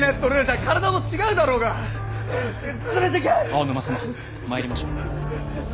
青沼様参りましょう。